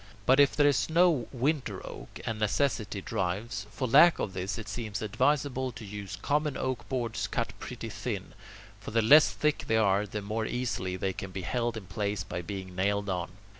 But if there is no winter oak, and necessity drives, for lack of this it seems advisable to use common oak boards cut pretty thin; for the less thick they are, the more easily they can be held in place by being nailed on.